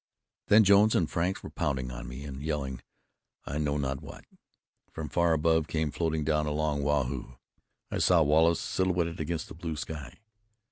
Then Jones and Frank were pounding me, and yelling I know not what. From far above came floating down a long "Waa hoo!" I saw Wallace silhouetted against the blue sky.